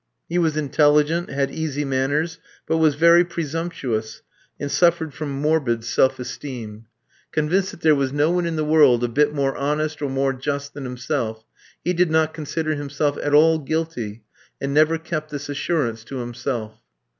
He was intelligent, had easy manners, but was very presumptuous, and suffered from morbid self esteem. Convinced that there was no one in the world a bit more honest or more just than himself, he did not consider himself at all guilty, and never kept this assurance to himself.